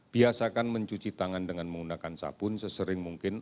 biasakan mencuci tangan dengan menggunakan sabun sesering mungkin